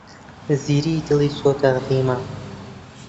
زیری دڵی چووەتە ڕیما.